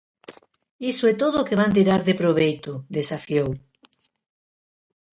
Iso é todo o que van tirar de proveito, desafiou.